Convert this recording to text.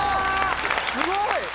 すごい！